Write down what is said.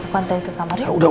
kuantai ke kamar yuk